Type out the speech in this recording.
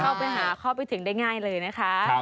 เข้าไปหาเข้าไปถึงได้ง่ายเลยนะคะ